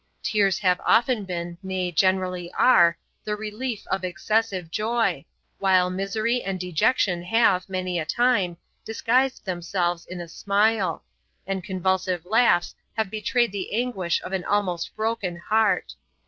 Tears have often been, nay generally are, the relief of excessive joy, while misery and dejection have, many a time, disguised themselves in a smile; and convulsive laughs have betrayed the anguish of an almost broken heart.